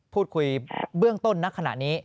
พูดคุยเบื้องต้นณขณะนี้